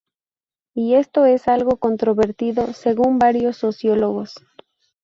Y esto es algo controvertido según varios sociólogos.